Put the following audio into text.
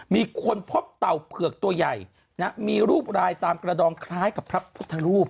มีคนพบเต่าเผือกตัวใหญ่มีรูปรายตามกระดองคล้ายกับพระพุทธรูป